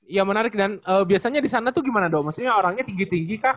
ya menarik dan biasanya di sana tuh gimana dong maksudnya orangnya tinggi tinggi kah